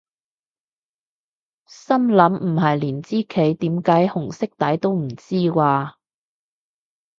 心諗唔係連支旗點解紅色底都唔知咓？